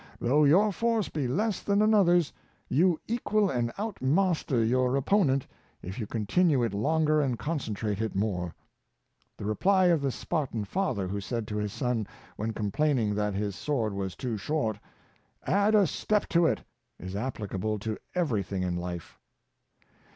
Though your force be less than anoth er's, you equal and outmaster your opponent if you continue it longer and concentrate it more. The reply of the Spartan father, who said to his son, when com plaining that his sword was too short. ^^Add a step to it," is applicable to everything in life.